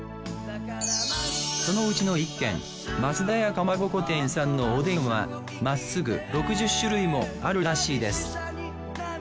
そのうちの一軒増田屋蒲鉾店さんのおでんはまっすぐ６０種類もあるらしいです。